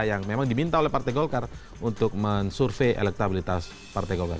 yang memang diminta oleh partai golkar untuk mensurvei elektabilitas partai golkar